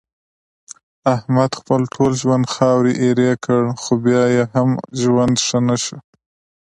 احمد خپل ټول ژوند خاورې ایرې کړ، خو بیا یې هم ژوند ښه نشو.